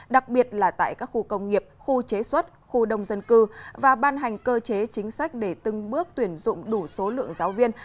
đặc biệt là tại các khu công nghiệp khu chế xuất khu đông dân cư và ban hành cơ chế chính sách để từng bước tuyển dụng đủ số lượng giáo viên